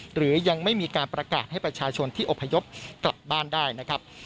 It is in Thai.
หรือยังไม่มีการประกาศให้ประชาชนที่อพยพกลับบ้านได้นะครับ